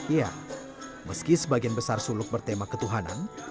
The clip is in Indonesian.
ya meski sebagian besar suluk bertema ketuhanan